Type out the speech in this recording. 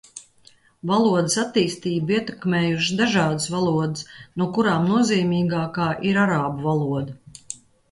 Valodas attīstību ietekmējušas dažādas valodas, no kurām nozīmīgākā ir arābu valoda.